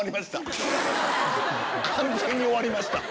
完全に終わりました。